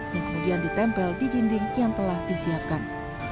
yang kemudian ditempel di dinding yang telah disiapkan